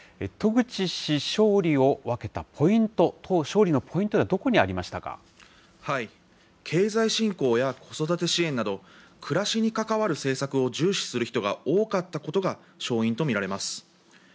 渡具知氏勝利を分けたポイント、勝利のポイントはどこにありまし経済振興や子育て支援など、暮らしに関わる政策を重視する人が多かったことが勝因と見られます。